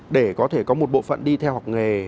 để có thể có một bộ phận đi theo học nghề